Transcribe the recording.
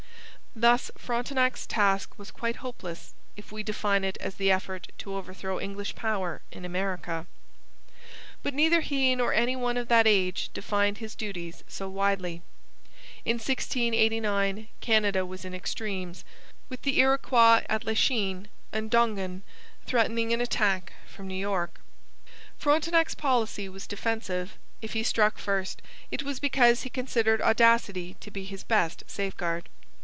Thus Frontenac's task was quite hopeless, if we define it as the effort to overthrow English power in America. But neither he nor any one of that age defined his duties so widely. In 1689 Canada was in extremes, with the Iroquois at Lachine and Dongan threatening an attack from New York. Frontenac's policy was defensive. If he struck first, it was because he considered audacity to be his best safeguard.